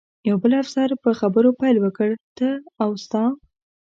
یو بل افسر په خبرو پیل وکړ، ته او ستا.